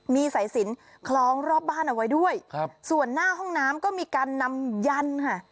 มีสายสินคล้องรอบบ้านเอาไว้ด้วยครับส่วนหน้าห้องน้ำก็มีการนำยันค่ะ